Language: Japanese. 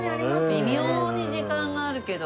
微妙に時間があるけど。